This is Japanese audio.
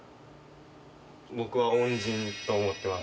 僕は恩人と思ってます。